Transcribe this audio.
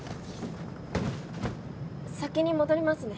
先に戻りますね。